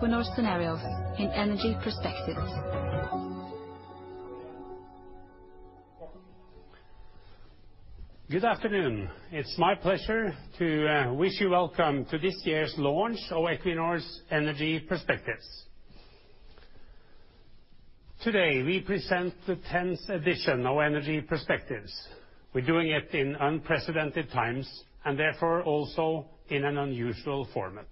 Equinor scenarios in Energy Perspectives. Good afternoon. It's my pleasure to wish you welcome to this year's launch of Equinor's Energy Perspectives. Today, we present the 10th edition of Energy Perspectives. We're doing it in unprecedented times, and therefore, also in an unusual format.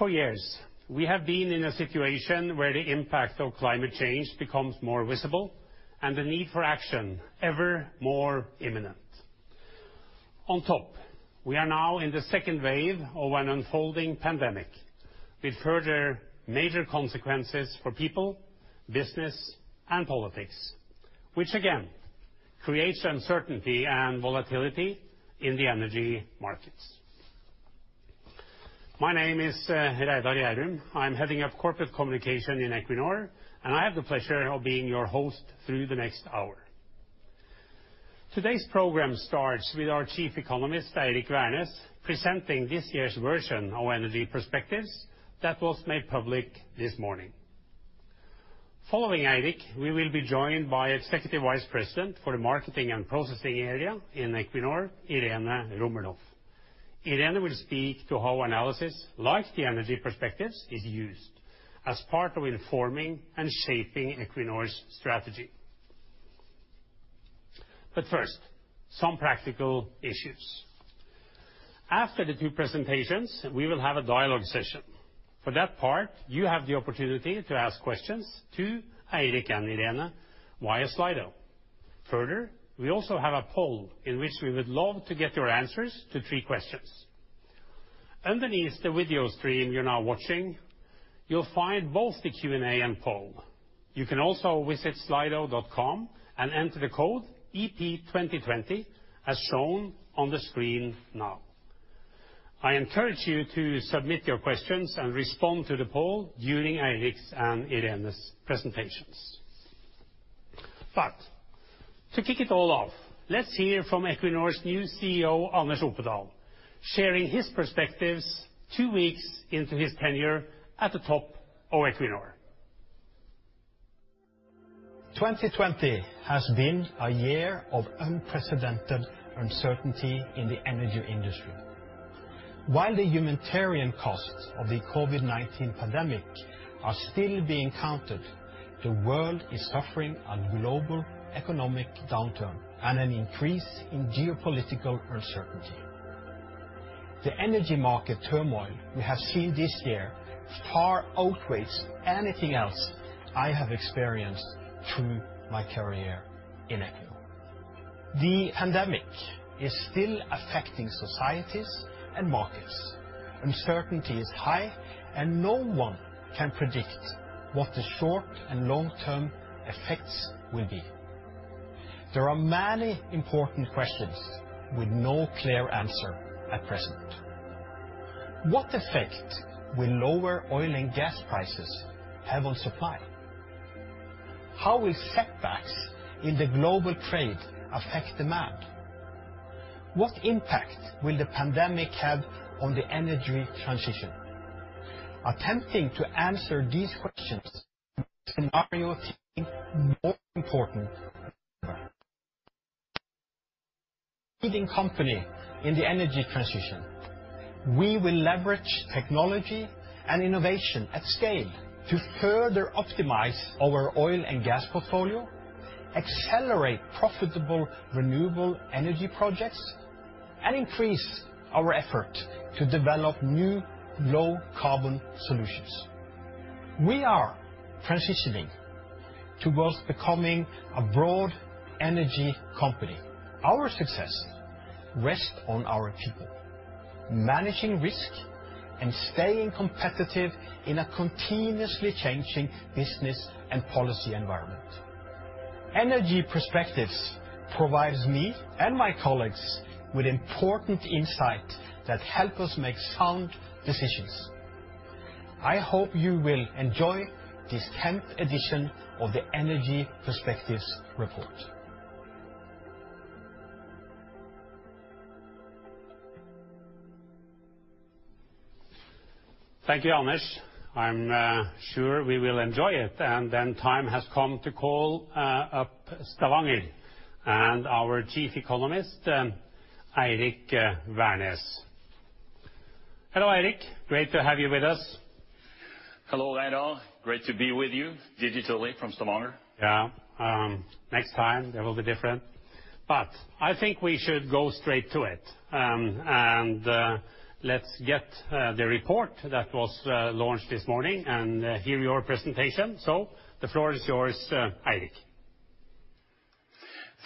For years, we have been in a situation where the impact of climate change becomes more visible and the need for action ever more imminent. On top, we are now in the second wave of an unfolding pandemic with further major consequences for people, business, and politics, which again, creates uncertainty and volatility in the energy markets. My name is Reidar Gjærum. I'm heading up Corporate Communication in Equinor, and I have the pleasure of being your host through the next hour. Today's program starts with our Chief Economist, Eirik Wærness, presenting this year's version of Energy Perspectives that was made public this morning. Following Eirik, we will be joined by Executive Vice President for the Marketing and Processing area in Equinor, Irene Rummelhoff. Irene will speak to how analysis like the Energy Perspectives is used as part of informing and shaping Equinor's strategy. First, some practical issues. After the two presentations, we will have a dialogue session. For that part, you have the opportunity to ask questions to Eirik and Irene via Slido. We also have a poll in which we would love to get your answers to three questions. Underneath the video stream you're now watching, you'll find both the Q&A and poll. You can also visit slido.com and enter the code EP2020 as shown on the screen now. I encourage you to submit your questions and respond to the poll during Eirik's and Irene's presentations. To kick it all off, let's hear from Equinor's new CEO, Anders Opedal, sharing his perspectives two weeks into his tenure at the top of Equinor. 2020 has been a year of unprecedented uncertainty in the energy industry. While the humanitarian costs of the COVID-19 pandemic are still being counted, the world is suffering a global economic downturn and an increase in geopolitical uncertainty. The energy market turmoil we have seen this year far outweighs anything else I have experienced through my career in Equinor. The pandemic is still affecting societies and markets. Uncertainty is high, and no one can predict what the short and long-term effects will be. There are many important questions with no clear answer at present. What effect will lower oil and gas prices have on supply? How will setbacks in the global trade affect demand? What impact will the pandemic have on the energy transition? Attempting to answer these questions makes scenario thinking more important than ever. A leading company in the energy transition, we will leverage technology and innovation at scale to further optimize our oil and gas portfolio, accelerate profitable renewable energy projects, and increase our effort to develop new low-carbon solutions. We are transitioning towards becoming a broad energy company. Our success rests on our people, managing risk and staying competitive in a continuously changing business and policy environment. Energy Perspectives provides me and my colleagues with important insight that help us make sound decisions. I hope you will enjoy this 10th edition of the Energy Perspectives report. Thank you, Anders. I'm sure we will enjoy it. Time has come to call up Stavanger and our Chief Economist, Eirik Wærness. Hello, Eirik. Great to have you with us. Hello, Reidar. Great to be with you digitally from Stavanger. Yeah. Next time, that will be different. I think we should go straight to it. Let's get the report that was launched this morning and hear your presentation. The floor is yours, Eirik.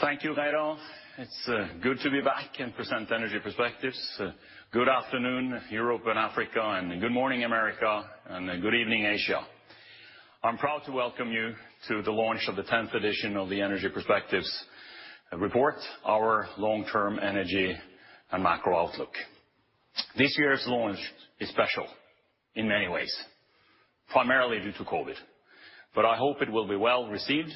Thank you, Reidar. It's good to be back and present Energy Perspectives. Good afternoon, Europe and Africa, and good morning, America, and good evening, Asia. I'm proud to welcome you to the launch of the 10th edition of the Energy Perspectives report, our long-term energy and macro outlook. This year's launch is special in many ways. Primarily due to COVID, but I hope it will be well received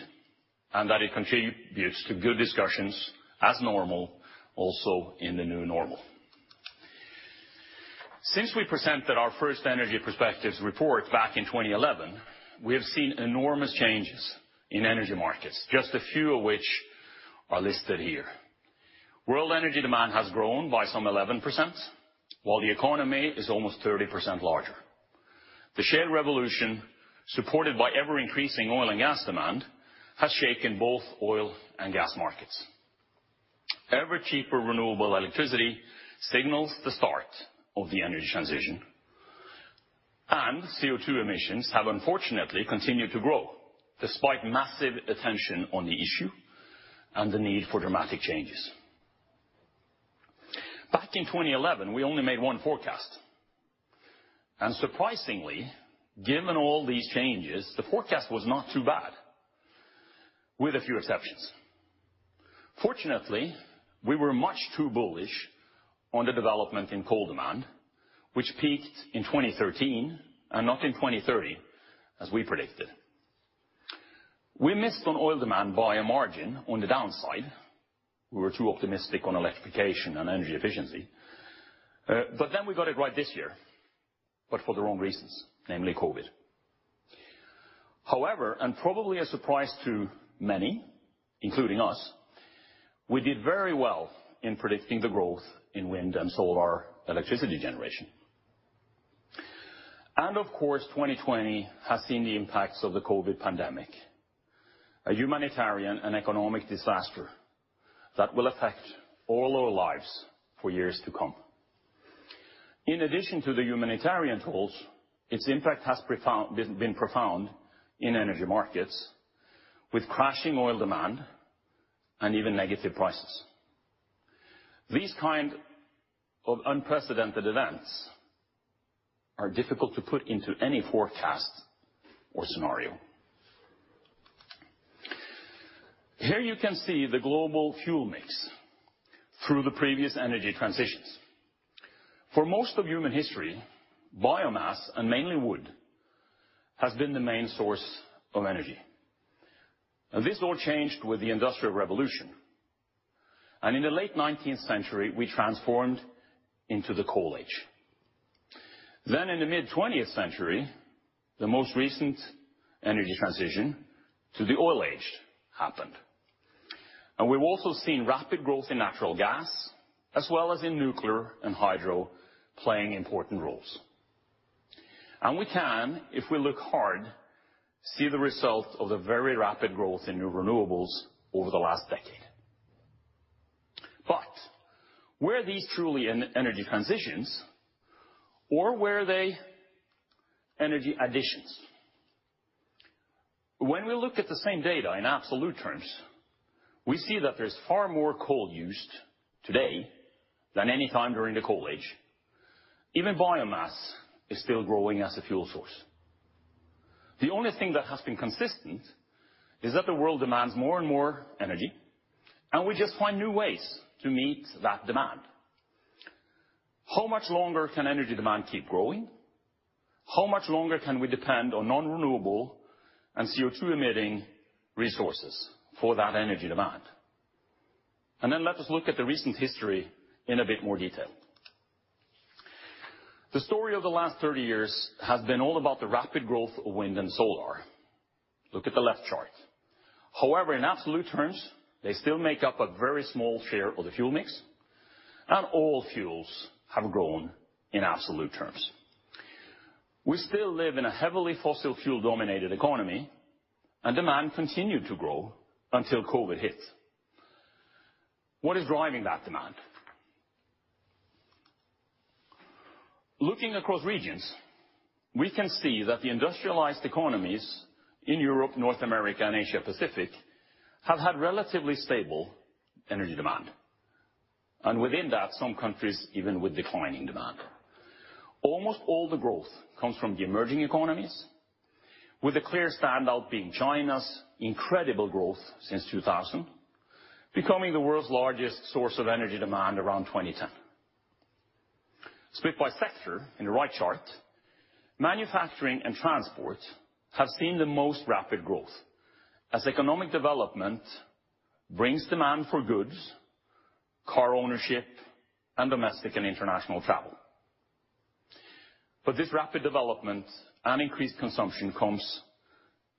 and that it contributes to good discussions as normal, also in the new normal. Since we presented our first Energy Perspectives report back in 2011, we have seen enormous changes in energy markets, just a few of which are listed here. World energy demand has grown by some 11%, while the economy is almost 30% larger. The shale revolution, supported by ever-increasing oil and gas demand, has shaken both oil and gas markets. Ever cheaper renewable electricity signals the start of the energy transition, and CO2 emissions have unfortunately continued to grow despite massive attention on the issue and the need for dramatic changes. Back in 2011, we only made one forecast, and surprisingly, given all these changes, the forecast was not too bad, with a few exceptions. Fortunately, we were much too bullish on the development in coal demand, which peaked in 2013 and not in 2030, as we predicted. We missed on oil demand by a margin on the downside. We were too optimistic on electrification and energy efficiency. We got it right this year, but for the wrong reasons, namely COVID. However, and probably a surprise to many, including us, we did very well in predicting the growth in wind and solar electricity generation. Of course, 2020 has seen the impacts of the COVID pandemic, a humanitarian and economic disaster that will affect all our lives for years to come. In addition to the humanitarian tolls, its impact has been profound in energy markets, with crashing oil demand and even negative prices. These kind of unprecedented events are difficult to put into any forecast or scenario. Here you can see the global fuel mix through the previous energy transitions. For most of human history, biomass, and mainly wood, has been the main source of energy. This all changed with the Industrial Revolution. In the late 19th century, we transformed into the Coal Age. In the mid-20th century, the most recent energy transition to the Oil Age happened. We've also seen rapid growth in natural gas, as well as in nuclear and hydro playing important roles. We can, if we look hard, see the result of the very rapid growth in renewables over the last decade. Were these truly energy transitions or were they energy additions? When we look at the same data in absolute terms, we see that there's far more coal used today than any time during the Coal Age. Even biomass is still growing as a fuel source. The only thing that has been consistent is that the world demands more and more energy, and we just find new ways to meet that demand. How much longer can energy demand keep growing? How much longer can we depend on nonrenewable and CO2-emitting resources for that energy demand? Let us look at the recent history in a bit more detail. The story of the last 30 years has been all about the rapid growth of wind and solar. Look at the left chart. However, in absolute terms, they still make up a very small share of the fuel mix, and all fuels have grown in absolute terms. We still live in a heavily fossil fuel-dominated economy, and demand continued to grow until COVID hit. What is driving that demand? Looking across regions, we can see that the industrialized economies in Europe, North America, and Asia-Pacific have had relatively stable energy demand, and within that, some countries, even with declining demand. Almost all the growth comes from the emerging economies, with a clear standout being China's incredible growth since 2000, becoming the world's largest source of energy demand around 2010. Split by sector in the right chart, manufacturing and transport have seen the most rapid growth as economic development brings demand for goods, car ownership, and domestic and international travel. This rapid development and increased consumption comes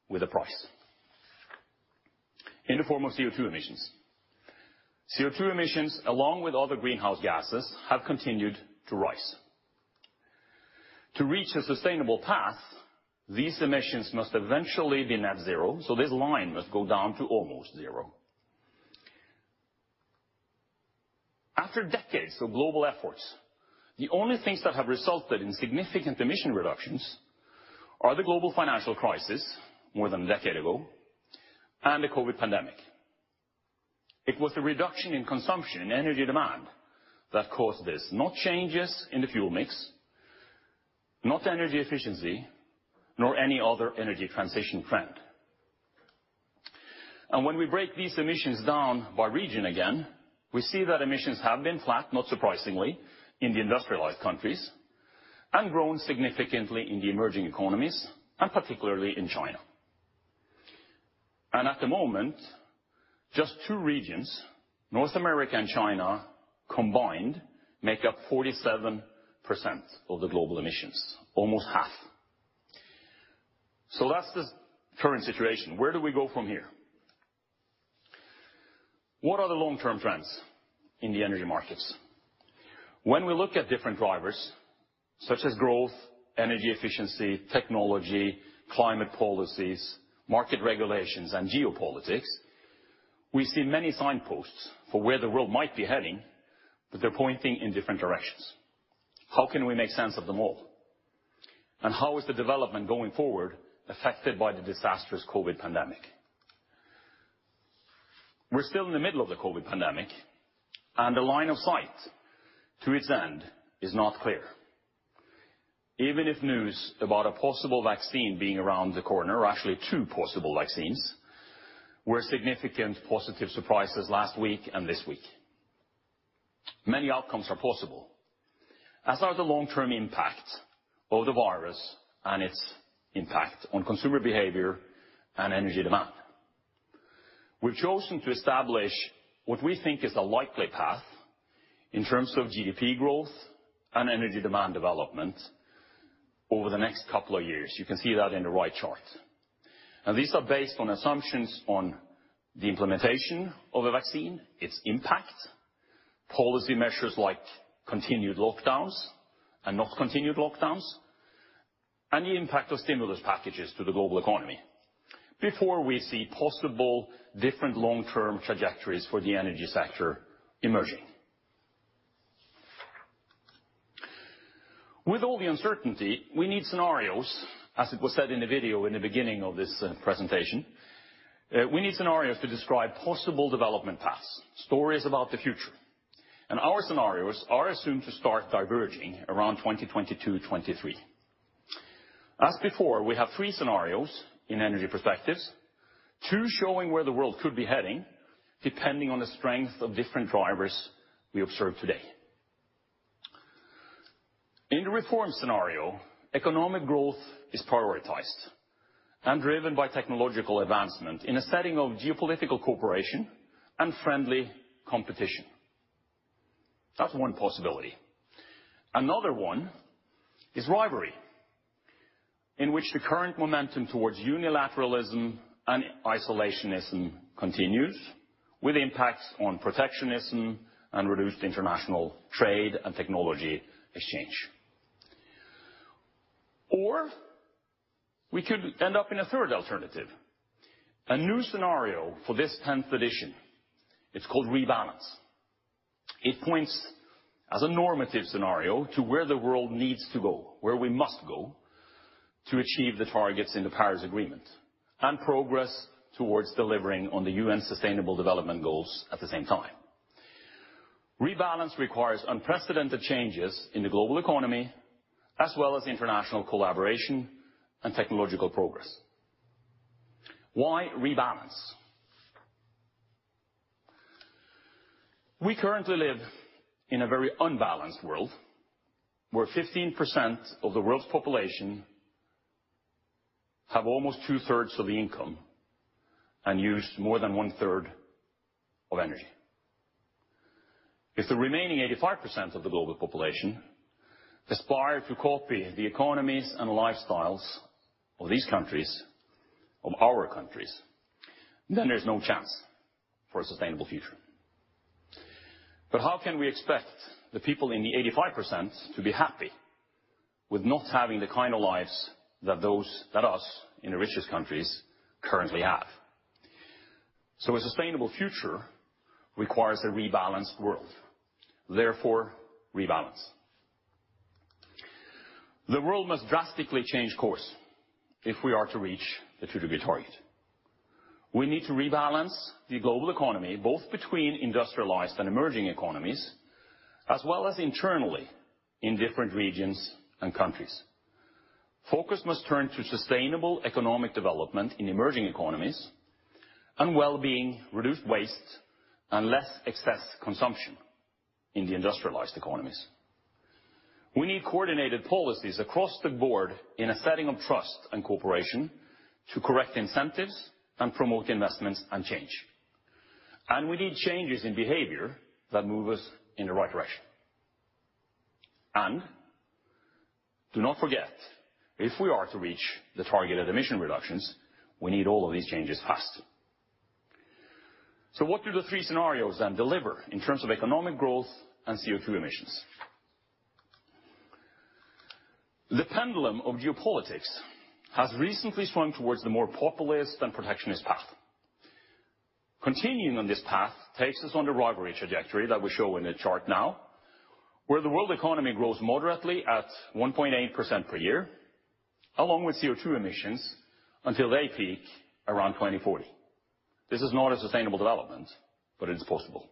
with a price in the form of CO2 emissions. CO2 emissions, along with other greenhouse gases, have continued to rise. To reach a sustainable path, these emissions must eventually be net zero, so this line must go down to almost zero. After decades of global efforts, the only things that have resulted in significant emission reductions are the global financial crisis more than a decade ago and the COVID pandemic. It was the reduction in consumption and energy demand that caused this. Not changes in the fuel mix, not energy efficiency, nor any other energy transition trend. When we break these emissions down by region again, we see that emissions have been flat, not surprisingly, in the industrialized countries, and grown significantly in the emerging economies, and particularly in China. At the moment, just two regions, North America and China combined, make up 47% of the global emissions, almost half. That's the current situation. Where do we go from here? What are the long-term trends in the energy markets? When we look at different drivers such as growth, energy efficiency, technology, climate policies, market regulations, and geopolitics, we see many signposts for where the world might be heading, but they're pointing in different directions. How can we make sense of them all? How is the development going forward affected by the disastrous COVID pandemic? We're still in the middle of the COVID pandemic, and the line of sight to its end is not clear. Even if news about a possible vaccine being around the corner or actually two possible vaccines, were significant positive surprises last week and this week. Many outcomes are possible, as are the long-term impact of the virus and its impact on consumer behavior and energy demand. We've chosen to establish what we think is the likely path in terms of GDP growth and energy demand development over the next couple of years. You can see that in the right chart. These are based on assumptions on the implementation of a vaccine, its impact, policy measures like continued lockdowns and not continued lockdowns, and the impact of stimulus packages to the global economy before we see possible different long-term trajectories for the energy sector emerging. With all the uncertainty, we need scenarios, as it was said in the video in the beginning of this presentation. We need scenarios to describe possible development paths, stories about the future. Our scenarios are assumed to start diverging around 2022-2023. As before, we have three scenarios in Energy Perspectives, two showing where the world could be heading, depending on the strength of different drivers we observe today. In the Reform scenario, economic growth is prioritized and driven by technological advancement in a setting of geopolitical cooperation and friendly competition. That's one possibility. Another one is Rivalry, in which the current momentum towards unilateralism and isolationism continues with impacts on protectionism and reduced international trade and technology exchange. We could end up in a third alternative, a new scenario for this 10th edition. It's called Rebalance. It points as a normative scenario to where the world needs to go, where we must go to achieve the targets in the Paris Agreement, and progress towards delivering on the UN Sustainable Development Goals at the same time. Rebalance requires unprecedented changes in the global economy, as well as international collaboration and technological progress. Why Rebalance? We currently live in a very unbalanced world, where 15% of the world's population have almost two-thirds of the income and use more than one-third of energy. If the remaining 85% of the global population aspire to copy the economies and lifestyles of these countries, of our countries, there's no chance for a sustainable future. How can we expect the people in the 85% to be happy with not having the kind of lives that those than us in the richest countries currently have? A sustainable future requires a rebalanced world, therefore Rebalance. The world must drastically change course if we are to reach the two degree target. We need to Rebalance the global economy, both between industrialized and emerging economies, as well as internally in different regions and countries. Focus must turn to sustainable economic development in emerging economies and wellbeing, reduced waste, and less excess consumption in the industrialized economies. We need coordinated policies across the board in a setting of trust and cooperation to correct incentives and promote investments and change. We need changes in behavior that move us in the right direction. Do not forget, if we are to reach the targeted emission reductions, we need all of these changes fast. What do the three scenarios then deliver in terms of economic growth and CO2 emissions? The pendulum of geopolitics has recently swung towards the more populist and protectionist path. Continuing on this path takes us on the Rivalry trajectory that we show in the chart now, where the world economy grows moderately at 1.8% per year, along with CO2 emissions until they peak around 2040. This is not a sustainable development, but it is possible.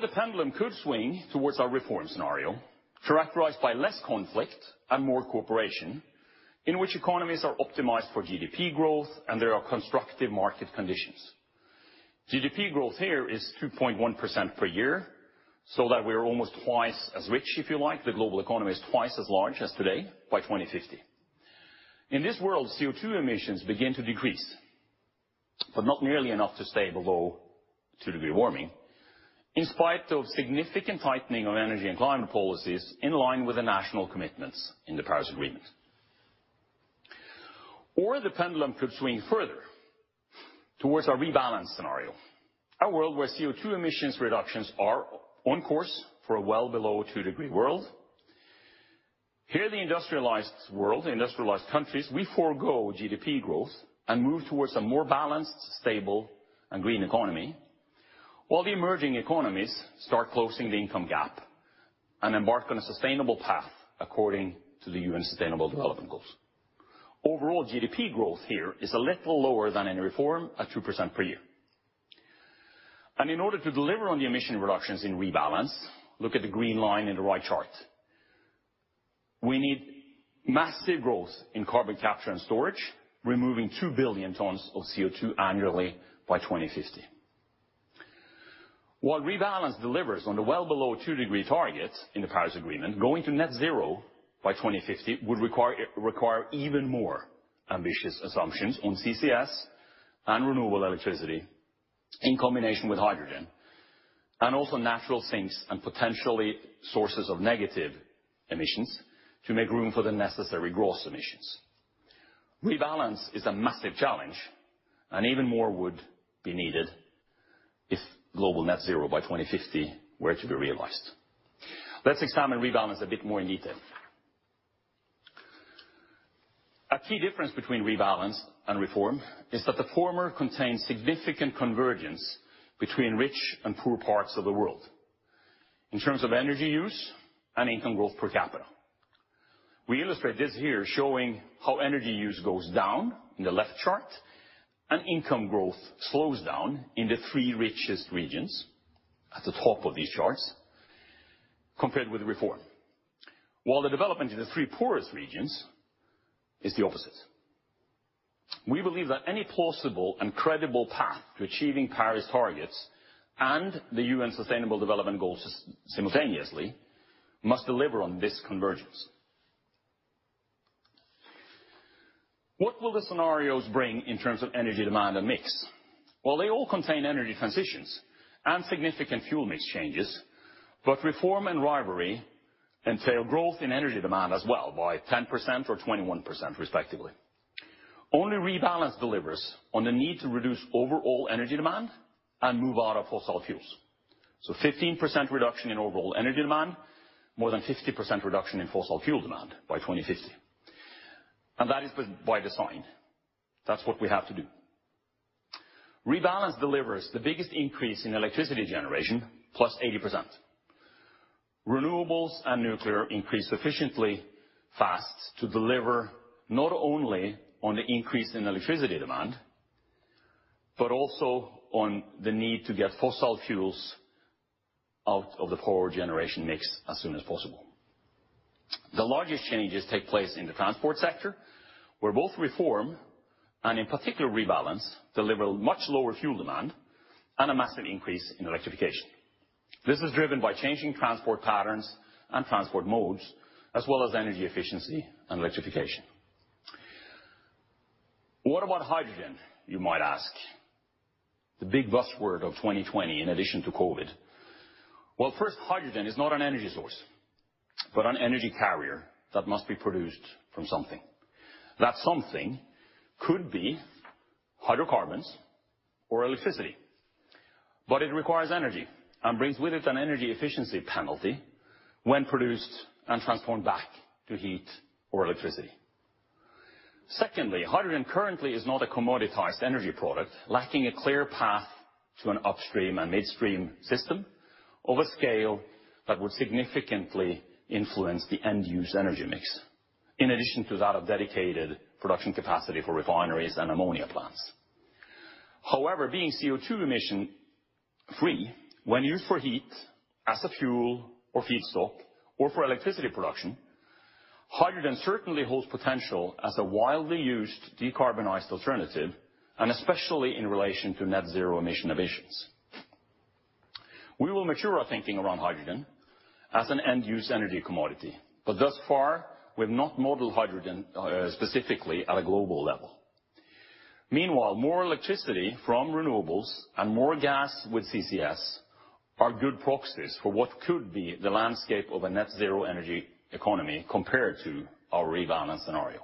The pendulum could swing towards our Reform scenario, characterized by less conflict and more cooperation, in which economies are optimized for GDP growth and there are constructive market conditions. GDP growth here is 2.1% per year, so that we are almost twice as rich, if you like. The global economy is twice as large as today by 2050. In this world, CO2 emissions begin to decrease, but not nearly enough to stay below two degree warming, in spite of significant tightening of energy and climate policies in line with the national commitments in the Paris Agreement. The pendulum could swing further towards our Rebalance scenario. A world where CO2 emissions reductions are on course for a well below two degree world. Here, the industrialized world, the industrialized countries, we forego GDP growth and move towards a more balanced, stable, and green economy while the emerging economies start closing the income gap and embark on a sustainable path according to the UN Sustainable Development Goals. Overall GDP growth here is a little lower than in Reform, at 2% per year. In order to deliver on the emission reductions in Rebalance, look at the green line in the right chart. We need massive growth in carbon capture and storage, removing 2 billion tons of CO2 annually by 2050. While Rebalance delivers on the well below two degree targets in the Paris Agreement, going to net zero by 2050 would require even more ambitious assumptions on CCS and renewable electricity in combination with hydrogen, and also natural sinks and potentially sources of negative emissions to make room for the necessary gross emissions. Rebalance is a massive challenge, and even more would be needed if global net zero by 2050 were to be realized. Let's examine Rebalance a bit more in detail. A key difference between Rebalance and Reform is that the former contains significant convergence between rich and poor parts of the world in terms of energy use and income growth per capita. We illustrate this here showing how energy use goes down in the left chart and income growth slows down in the three richest regions at the top of these charts compared with Reform. While the development in the three poorest regions is the opposite. We believe that any plausible and credible path to achieving Paris Agreement and the UN Sustainable Development Goals simultaneously must deliver on this convergence. What will the scenarios bring in terms of energy demand and mix? They all contain energy transitions and significant fuel mix changes, but Reform and Rivalry entail growth in energy demand as well by 10% or 21% respectively. Only Rebalance delivers on the need to reduce overall energy demand and move out of fossil fuels. 15% reduction in overall energy demand, more than 50% reduction in fossil fuel demand by 2050. That is by design. That's what we have to do. Rebalance delivers the biggest increase in electricity generation, +80%. Renewables and nuclear increase sufficiently fast to deliver not only on the increase in electricity demand, but also on the need to get fossil fuels out of the power generation mix as soon as possible. The largest changes take place in the transport sector, where both Reform, and in particular Rebalance, deliver much lower fuel demand and a massive increase in electrification. This is driven by changing transport patterns and transport modes, as well as energy efficiency and electrification. What about hydrogen, you might ask? The big buzzword of 2020 in addition to COVID. Well, first, hydrogen is not an energy source, but an energy carrier that must be produced from something. That something could be hydrocarbons or electricity, but it requires energy and brings with it an energy efficiency penalty when produced and transformed back to heat or electricity. Secondly, hydrogen currently is not a commoditized energy product, lacking a clear path to an upstream and midstream system of a scale that would significantly influence the end use energy mix, in addition to that of dedicated production capacity for refineries and ammonia plants. However, being CO2 emission free, when used for heat as a fuel or feedstock or for electricity production, hydrogen certainly holds potential as a widely used decarbonized alternative, and especially in relation to net zero emissions. We will mature our thinking around hydrogen as an end use energy commodity. Thus far, we have not modeled hydrogen specifically at a global level. Meanwhile, more electricity from renewables and more gas with CCS are good proxies for what could be the landscape of a net zero energy economy compared to our Rebalance scenario.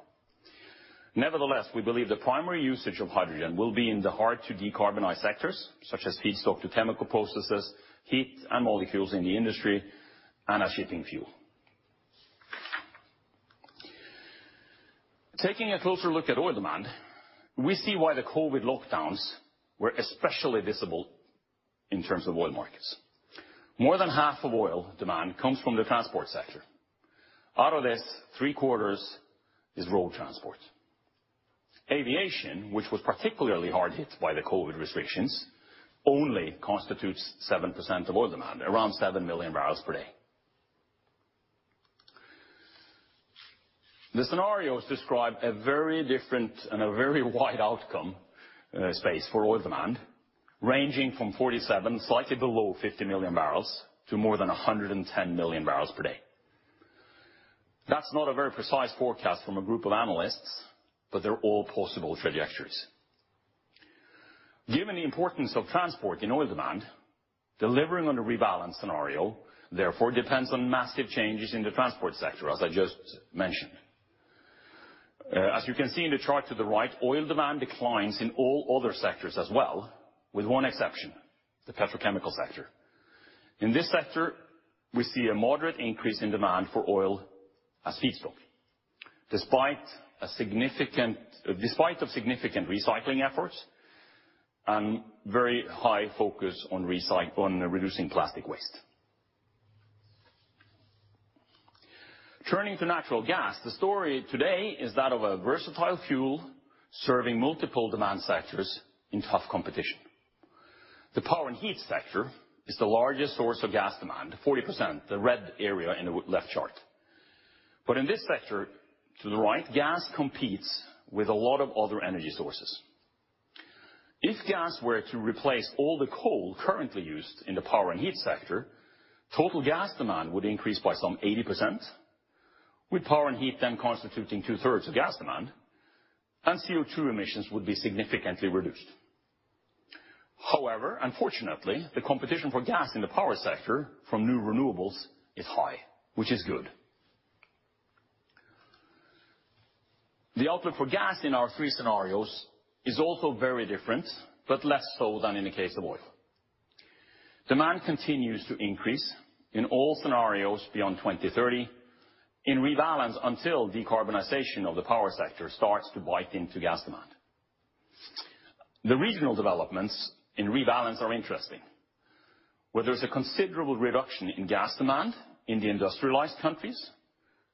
Nevertheless, we believe the primary usage of hydrogen will be in the hard-to-decarbonize sectors, such as feedstock to chemical processes, heat and molecules in the industry, and as shipping fuel. Taking a closer look at oil demand, we see why the COVID lockdowns were especially visible in terms of oil markets. More than half of oil demand comes from the transport sector. Out of this, three-quarters is road transport. Aviation, which was particularly hard hit by the COVID restrictions, only constitutes 7% of oil demand, around 7 MMbpd. The scenarios describe a very different and a very wide outcome space for oil demand, ranging from 47, slightly below 50 million barrels, to more than 110 MMbpd. That's not a very precise forecast from a group of analysts, they're all possible trajectories. Given the importance of transport in oil demand, delivering on the Rebalance scenario, therefore depends on massive changes in the transport sector, as I just mentioned. As you can see in the chart to the right, oil demand declines in all other sectors as well, with one exception, the petrochemical sector. In this sector, we see a moderate increase in demand for oil as feedstock despite of significant recycling efforts and very high focus on reducing plastic waste. Turning to natural gas, the story today is that of a versatile fuel serving multiple demand sectors in tough competition. The power and heat sector is the largest source of gas demand, 40%, the red area in the left chart. In this sector, to the right, gas competes with a lot of other energy sources. If gas were to replace all the coal currently used in the power and heat sector, total gas demand would increase by some 80%, with power and heat then constituting two-thirds of gas demand, and CO2 emissions would be significantly reduced. However, unfortunately, the competition for gas in the power sector from new renewables is high, which is good. The outlook for gas in our three scenarios is also very different, less so than in the case of oil. Demand continues to increase in all scenarios beyond 2030 in Rebalance until decarbonization of the power sector starts to bite into gas demand. The regional developments in Rebalance are interesting, where there's a considerable reduction in gas demand in the industrialized countries,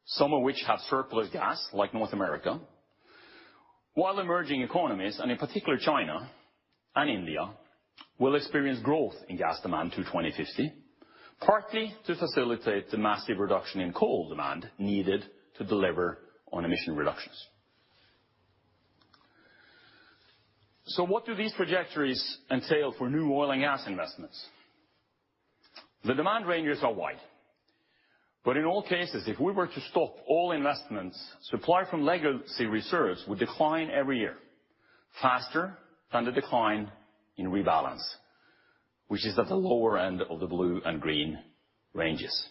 some of which have surplus gas, like North America, while emerging economies, and in particular China and India, will experience growth in gas demand to 2050, partly to facilitate the massive reduction in coal demand needed to deliver on emission reductions. What do these trajectories entail for new oil and gas investments? The demand ranges are wide, but in all cases, if we were to stop all investments, supply from legacy reserves would decline every year faster than the decline in Rebalance, which is at the lower end of the blue and green ranges.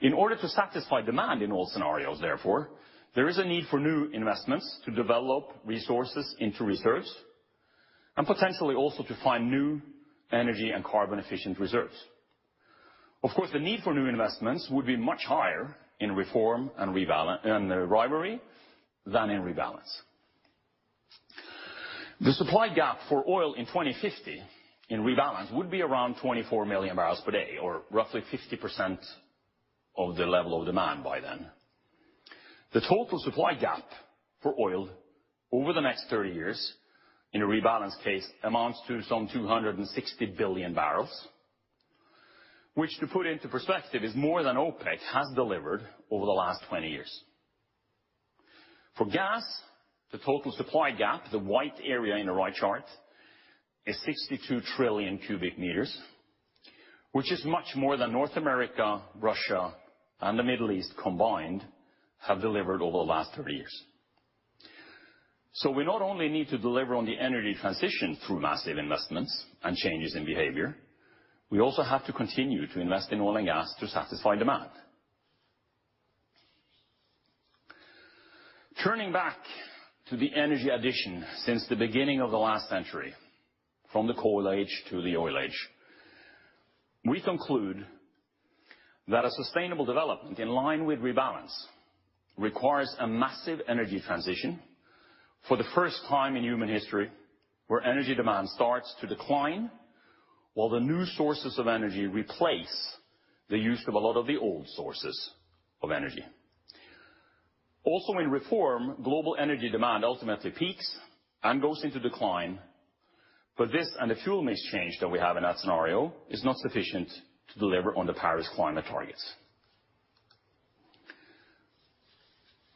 In order to satisfy demand in all scenarios, therefore, there is a need for new investments to develop resources into reserves, and potentially also to find new energy and carbon efficient reserves. Of course, the need for new investments would be much higher in Reform and Rivalry than in Rebalance. The supply gap for oil in 2050 in Rebalance would be around 24 MMbpd, or roughly 50% of the level of demand by then. The total supply gap for oil over the next 30 years in a Rebalance case amounts to some 260 billion barrels, which to put into perspective, is more than OPEC has delivered over the last 20 years. For gas, the total supply gap, the white area in the right chart, is 62 trillion cubic meters, which is much more than North America, Russia, and the Middle East combined have delivered over the last 30 years. We not only need to deliver on the energy transition through massive investments and changes in behavior, we also have to continue to invest in oil and gas to satisfy demand. Turning back to the energy addition since the beginning of the last century, from the coal age to the oil age, we conclude that a sustainable development in line with Rebalance requires a massive energy transition for the first time in human history, where energy demand starts to decline while the new sources of energy replace the use of a lot of the old sources of energy. In Reform, global energy demand ultimately peaks and goes into decline, but this and the fuel mix change that we have in that scenario is not sufficient to deliver on the Paris climate targets.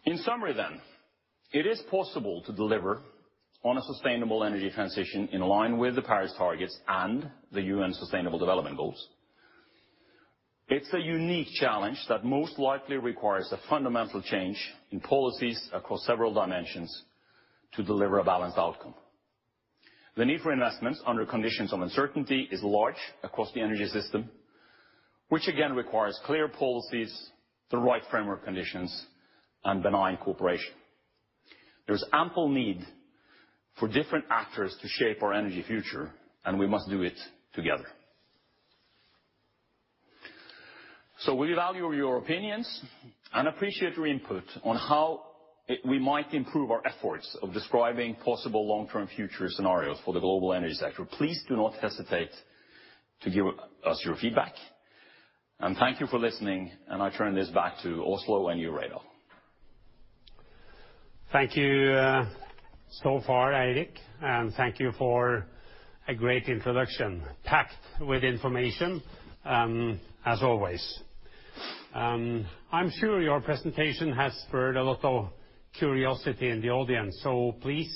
In summary, it is possible to deliver on a sustainable energy transition in line with the Paris targets and the UN Sustainable Development Goals. It's a unique challenge that most likely requires a fundamental change in policies across several dimensions to deliver a balanced outcome. The need for investments under conditions of uncertainty is large across the energy system, which again, requires clear policies, the right framework conditions, and benign cooperation. There is ample need for different actors to shape our energy future, we must do it together. We value your opinions and appreciate your input on how we might improve our efforts of describing possible long-term future scenarios for the global energy sector. Please do not hesitate to give us your feedback. Thank you for listening, and I turn this back to Oslo and you, Reidar. Thank you so far, Eirik, and thank you for a great introduction. Packed with information, as always. I'm sure your presentation has spurred a lot of curiosity in the audience, so please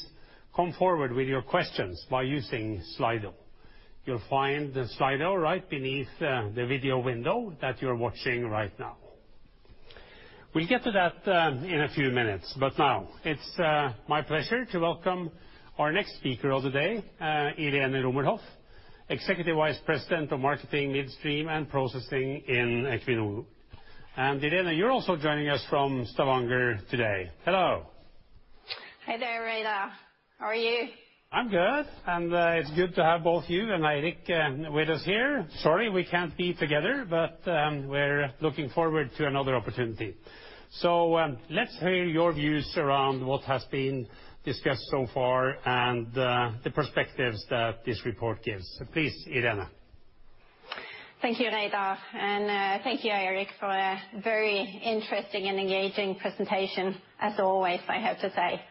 come forward with your questions by using Slido. You'll find the Slido right beneath the video window that you're watching right now. We'll get to that in a few minutes. Now it's my pleasure to welcome our next speaker of the day, Irene Rummelhoff, Executive Vice President of Marketing, Midstream & Processing in Equinor. Irene, you're also joining us from Stavanger today. Hello. Hey there, Reidar. How are you? I'm good. It's good to have both you and Eirik with us here. Sorry we can't be together, but we're looking forward to another opportunity. Let's hear your views around what has been discussed so far and the perspectives that this report gives. Please, Irene. Thank you, Reidar, and thank you, Eirik, for a very interesting and engaging presentation, as always, I have to say.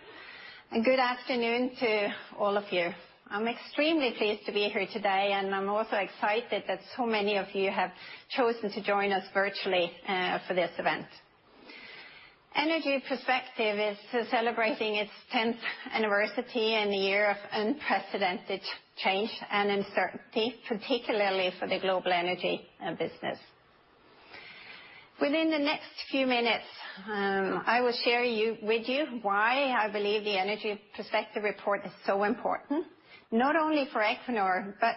A good afternoon to all of you. I'm extremely pleased to be here today, and I'm also excited that so many of you have chosen to join us virtually for this event. Energy Perspectives is celebrating its 10th anniversary in a year of unprecedented change and uncertainty, particularly for the global energy business. Within the next few minutes, I will share with you why I believe the Energy Perspectives report is so important, not only for Equinor, but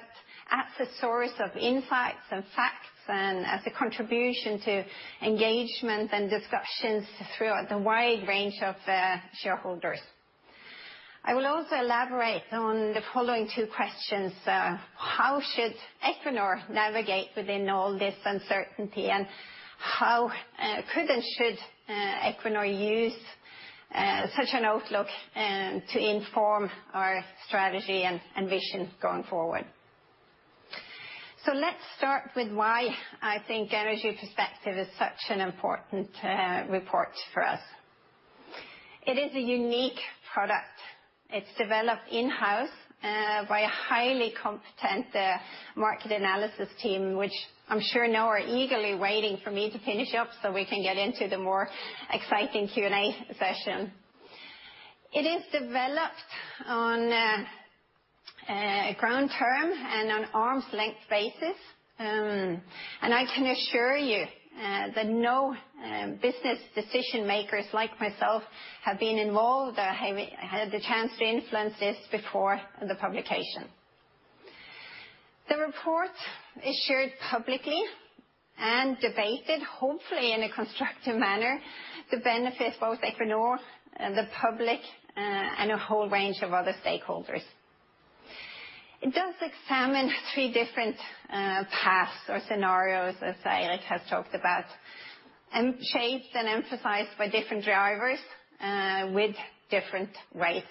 as a source of insights and facts, and as a contribution to engagement and discussions throughout the wide range of shareholders. I will also elaborate on the following two questions. How should Equinor navigate within all this uncertainty? How could and should Equinor use such an outlook to inform our strategy and vision going forward? Let's start with why I think Energy Perspectives is such an important report for us. It is a unique product. It's developed in-house by a highly competent market analysis team, which I'm sure now are eagerly waiting for me to finish up so we can get into the more exciting Q&A session. It is developed on a ground term and an arm's length basis. I can assure you that no business decision-makers like myself have been involved or have had the chance to influence this before the publication. The report is shared publicly and debated, hopefully in a constructive manner, to benefit both Equinor, the public, and a whole range of other stakeholders. It does examine three different paths or scenarios, as Eirik has talked about, and shaped and emphasized by different drivers with different weights.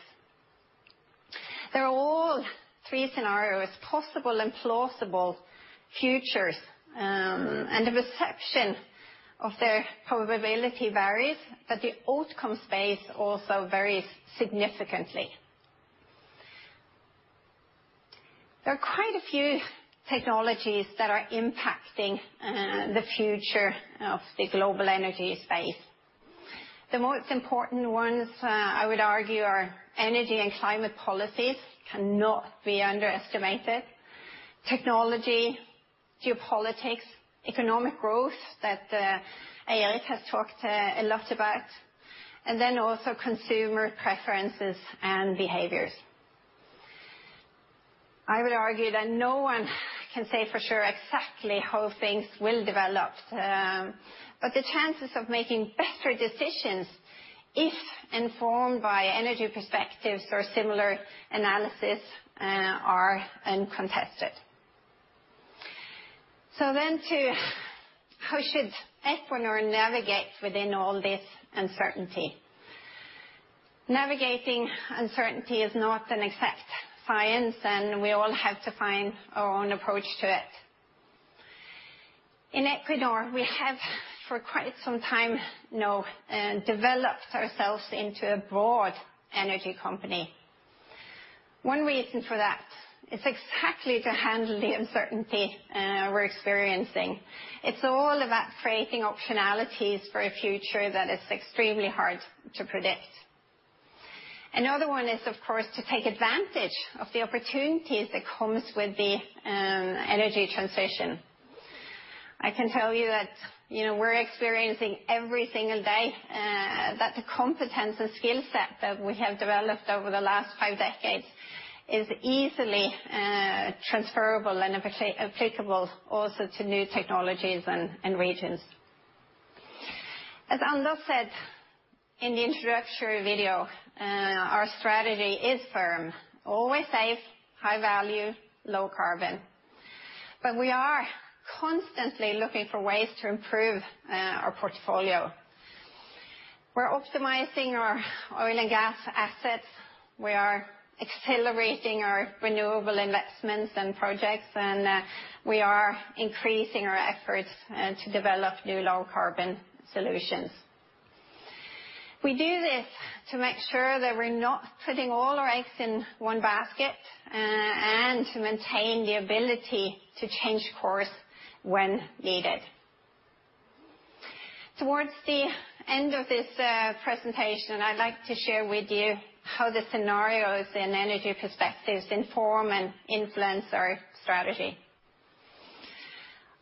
They're all three scenarios, possible and plausible futures, and the perception of their probability varies, but the outcome space also varies significantly. There are quite a few technologies that are impacting the future of the global energy space. The most important ones, I would argue, are energy and climate policies cannot be underestimated. Technology, geopolitics, economic growth that Eirik has talked a lot about, and then also consumer preferences and behaviors. I would argue that no one can say for sure exactly how things will develop, but the chances of making better decisions, if informed by Energy Perspectives or similar analysis, are uncontested. To how should Equinor navigate within all this uncertainty? Navigating uncertainty is not an exact science, and we all have to find our own approach to it. In Equinor we have, for quite some time now, developed ourselves into a broad energy company. One reason for that is exactly to handle the uncertainty we're experiencing. It's all about creating optionalities for a future that is extremely hard to predict. Another one is, of course, to take advantage of the opportunities that comes with the energy transition. I can tell you that we're experiencing every single day that the competence and skill set that we have developed over the last five decades is easily transferable and applicable also to new technologies and regions. As Anders said in the introductory video, our strategy is firm. Always safe, high value, low carbon. We're constantly looking for ways to improve our portfolio. We're optimizing our oil and gas assets. We are accelerating our renewable investments and projects, and we are increasing our efforts to develop new low-carbon solutions. We do this to make sure that we're not putting all our eggs in one basket, and to maintain the ability to change course when needed. Towards the end of this presentation, I'd like to share with you how the scenarios in Energy Perspectives inform and influence our strategy.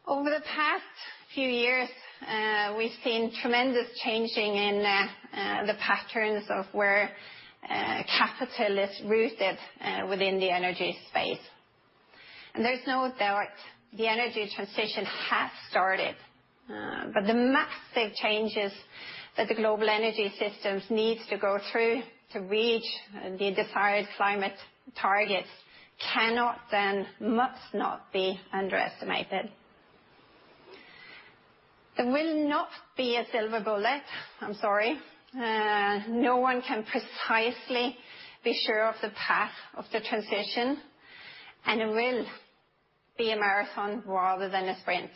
Over the past few years, we've seen tremendous changing in the patterns of where capital is rooted within the energy space. There's no doubt the energy transition has started, but the massive changes that the global energy systems needs to go through to reach the desired climate targets cannot and must not be underestimated. There will not be a silver bullet. I'm sorry. No one can precisely be sure of the path of the transition. It will be a marathon rather than a sprint.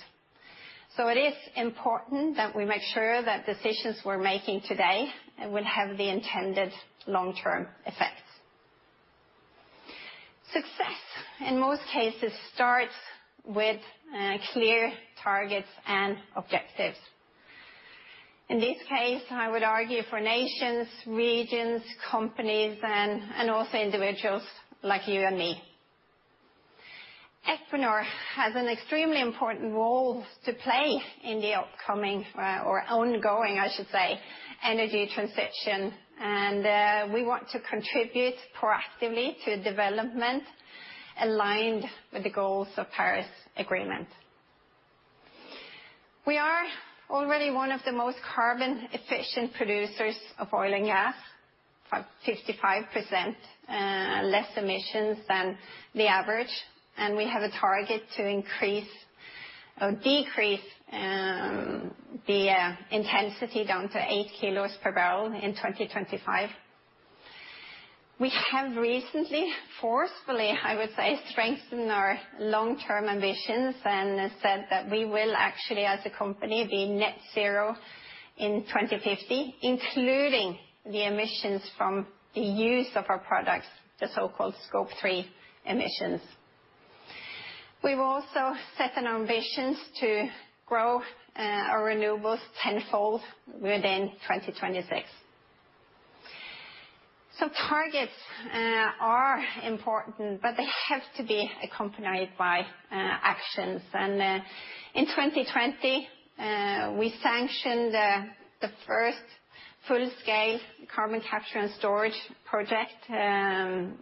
It is important that we make sure that decisions we're making today will have the intended long-term effects. Success, in most cases, starts with clear targets and objectives. In this case, I would argue for nations, regions, companies, and also individuals like you and me. Equinor has an extremely important role to play in the upcoming, or ongoing I should say, energy transition. We want to contribute proactively to development aligned with the goals of Paris Agreement. We are already one of the most carbon efficient producers of oil and gas. About 55% less emissions than the average. We have a target to increase or decrease the intensity down to 8 kg per barrel in 2025. We have recently, forcefully, I would say, strengthened our long-term ambitions and said that we will actually, as a company, be net zero in 2050, including the emissions from the use of our products, the so-called Scope 3 emissions. We've also set an ambitions to grow our renewables tenfold within 2026. Targets are important, but they have to be accompanied by actions. In 2020, we sanctioned the first full-scale carbon capture and storage project, capturing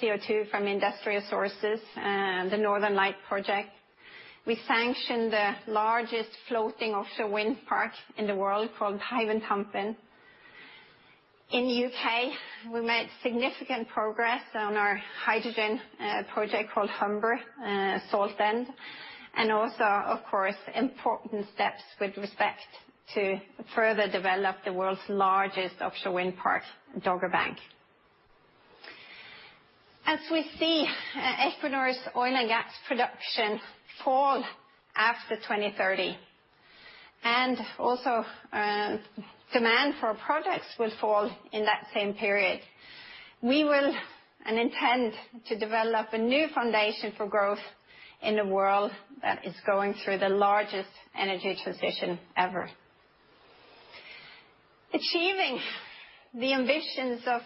CO2 from industrial sources, the Northern Lights Project. We sanctioned the largest floating offshore wind park in the world, called Hywind Tampen. In the U.K., we made significant progress on our hydrogen project called Humber Saltend, and also, of course, important steps with respect to further develop the world's largest offshore wind park, Dogger Bank. As we see Equinor's oil and gas production fall after 2030, and also demand for our products will fall in that same period, we will and intend to develop a new foundation for growth in a world that is going through the largest energy transition ever. Achieving the ambitions of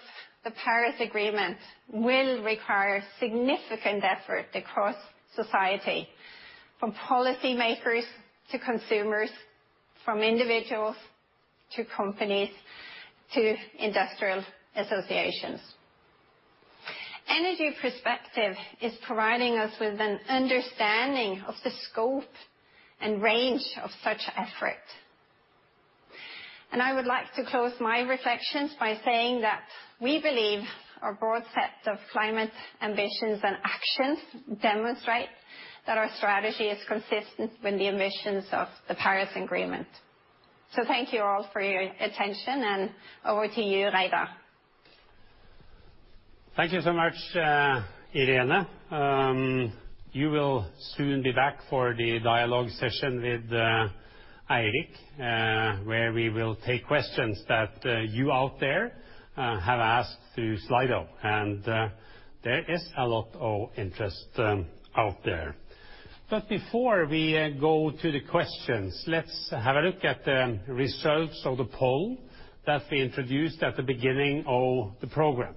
the Paris Agreement will require significant effort across society, from policy makers to consumers, from individuals to companies, to industrial associations. Energy Perspectives is providing us with an understanding of the scope and range of such effort. I would like to close my reflections by saying that we believe our broad set of climate ambitions and actions demonstrate that our strategy is consistent with the emissions of the Paris Agreement. Thank you all for your attention, and over to you Reidar. Thank you so much, Irene. You will soon be back for the dialogue session with Eirik, where we will take questions that you out there have asked through Slido, and there is a lot of interest out there. Before we go to the questions, let's have a look at the results of the poll that we introduced at the beginning of the program.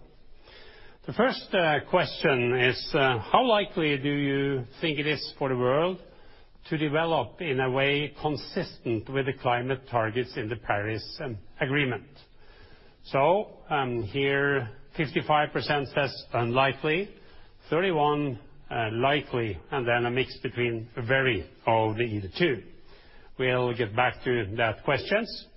The first question is, how likely do you think it is for the world to develop in a way consistent with the climate targets in the Paris Agreement? Here 55% says unlikely, 31 likely, and then a mix between very of the two. We'll get back to that questions.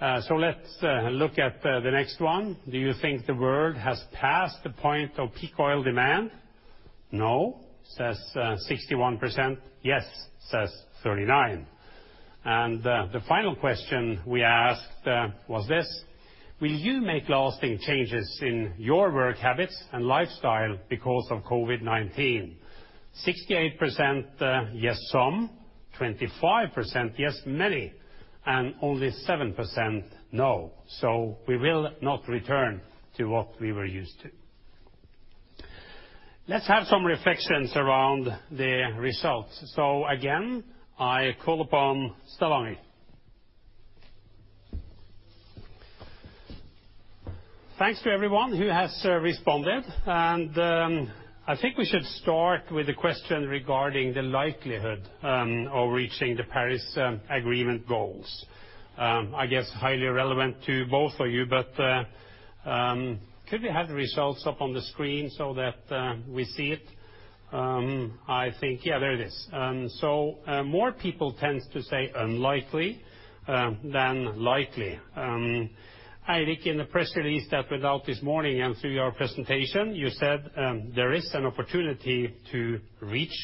Let's look at the next one. Do you think the world has passed the point of peak oil demand? "No," says 61%. "Yes," says 39%. The final question we asked was this: will you make lasting changes in your work habits and lifestyle because of COVID-19? 68%, yes, some. 25%, yes, many, and only 7%, no. We will not return to what we were used to. Let's have some reflections around the results. Again, I call upon Stavanger. Thanks to everyone who has responded, and I think we should start with the question regarding the likelihood of reaching the Paris Agreement goals. I guess, highly relevant to both of you, but could we have the results up on the screen so that we see it? I think, yeah, there it is. More people tends to say unlikely, than likely. Eirik, in the press release that went out this morning, and through your presentation, you said there is an opportunity to reach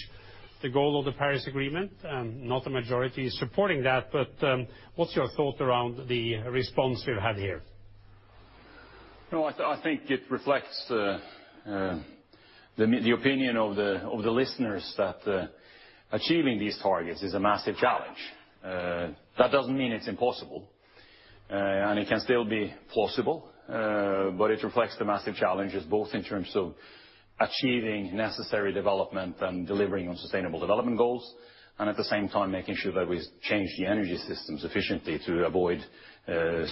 the goal of the Paris Agreement, not the majority is supporting that. What's your thought around the response we've had here? I think it reflects the opinion of the listeners that achieving these targets is a massive challenge. That doesn't mean it's impossible, and it can still be plausible, but it reflects the massive challenges, both in terms of achieving necessary development and delivering on sustainable development goals, and at the same time making sure that we change the energy systems efficiently to avoid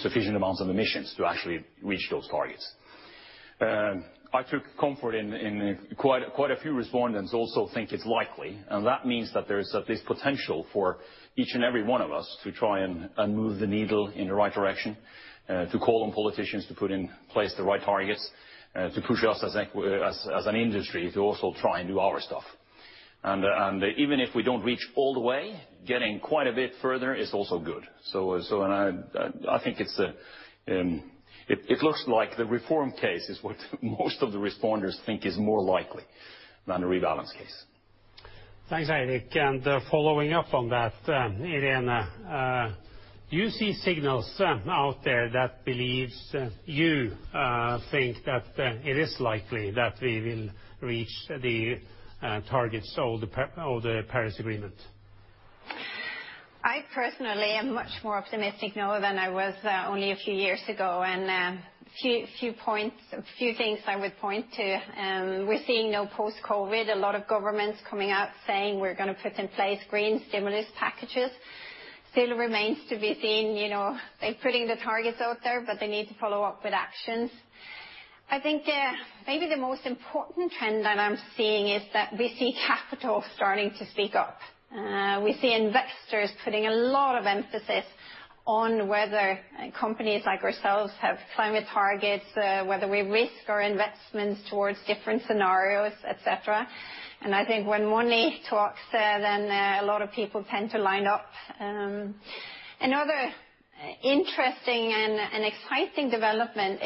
sufficient amounts of emissions to actually reach those targets. I took comfort in quite a few respondents also think it's likely, and that means that there is at least potential for each and every one of us to try and move the needle in the right direction, to call on politicians to put in place the right targets, to push us as an industry to also try and do our stuff. Even if we don't reach all the way, getting quite a bit further is also good. I think it looks like the Reform case is what most of the responders think is more likely than a Rebalance case. Thanks, Eirik, following up on that, Irene, do you see signals out there that believes you think that it is likely that we will reach the targets of the Paris Agreement? I personally am much more optimistic now than I was only a few years ago. A few things I would point to, we're seeing now post-COVID, a lot of governments coming out saying we're going to put in place green stimulus packages. It still remains to be seen, they're putting the targets out there. They need to follow up with actions. I think maybe the most important trend that I'm seeing is that we see capital starting to speak up. We see investors putting a lot of emphasis on whether companies like ourselves have climate targets, whether we risk our investments towards different scenarios, et cetera. I think when money talks then a lot of people tend to line up. Another interesting and exciting development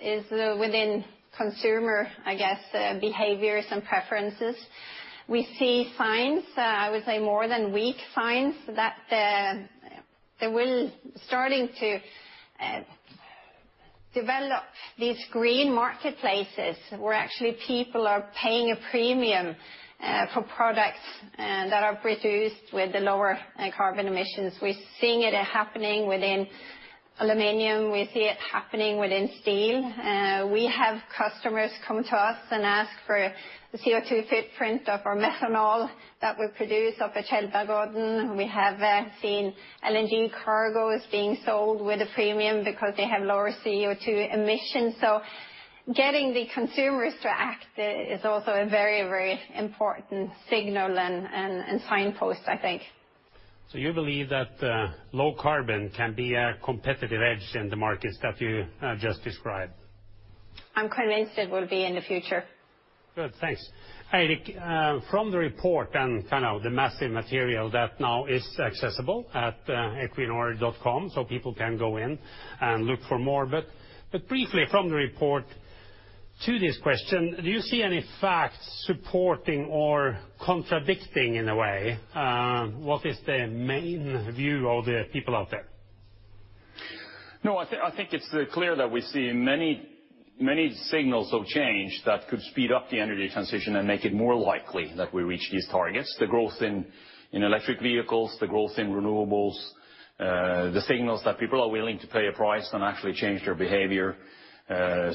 is within consumer, I guess, behaviors and preferences. We see signs, I would say more than weak signs, that they will starting to develop these green marketplaces where actually people are paying a premium for products that are produced with the lower carbon emissions. We're seeing it happening within aluminum. We see it happening within steel. We have customers come to us and ask for the CO2 footprint of our methanol that we produce up at Tjeldbergodden. We have seen LNG cargos being sold with a premium because they have lower CO2 emissions. Getting the consumers to act is also a very important signal and signpost, I think. You believe that low carbon can be a competitive edge in the markets that you just described? I'm convinced it will be in the future. Good, thanks. Eirik, from the report and kind of the massive material that now is accessible at equinor.com so people can go in and look for more, but briefly from the report to this question, do you see any facts supporting or contradicting in a way what is the main view of the people out there? I think it's clear that we're seeing many signals of change that could speed up the energy transition and make it more likely that we reach these targets. The growth in electric vehicles, the growth in renewables, the signals that people are willing to pay a price and actually change their behavior.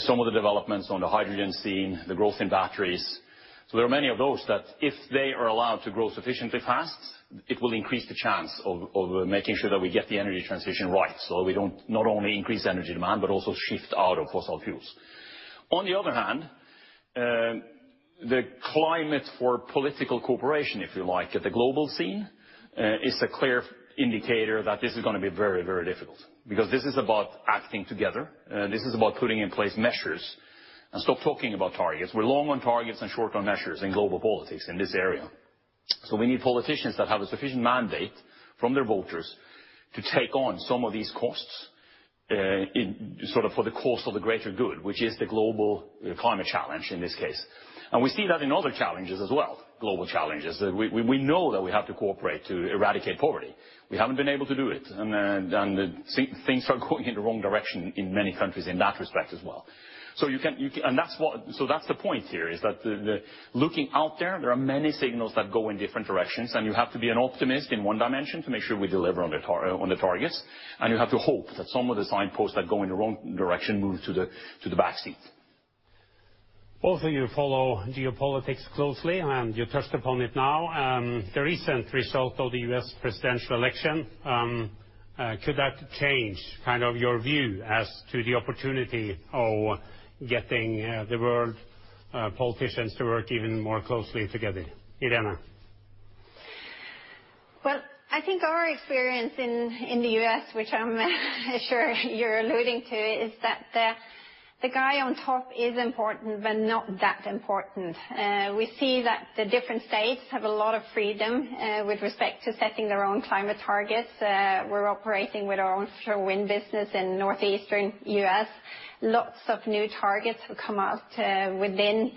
Some of the developments on the hydrogen scene, the growth in batteries. There are many of those that if they are allowed to grow sufficiently fast, it will increase the chance of making sure that we get the energy transition right so we don't not only increase energy demand, but also shift out of fossil fuels. On the other hand, the climate for political cooperation, if you like, at the global scene, is a clear indicator that this is going to be very difficult because this is about acting together. This is about putting in place measures and stop talking about targets. We're long on targets and short on measures in global politics in this area. So we need politicians that have a sufficient mandate from their voters to take on some of these costs for the cause of the greater good, which is the global climate challenge in this case. We see that in other challenges as well, global challenges. We know that we have to cooperate to eradicate poverty. We haven't been able to do it, and things are going in the wrong direction in many countries in that respect as well. That's the point here, is that looking out there are many signals that go in different directions, and you have to be an optimist in one dimension to make sure we deliver on the targets. You have to hope that some of the signposts that go in the wrong direction move to the back seat. Both of you follow geopolitics closely. You touched upon it now. The recent result of the U.S. presidential election, could that change your view as to the opportunity of getting the world politicians to work even more closely together? Irene. Well, I think our experience in the U.S., which I'm sure you're alluding to, is that the guy on top is important, but not that important. We see that the different states have a lot of freedom with respect to setting their own climate targets. We're operating with our own offshore wind business in northeastern U.S. Lots of new targets have come out within